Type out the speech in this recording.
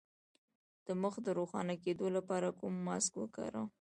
د مخ د روښانه کیدو لپاره کوم ماسک وکاروم؟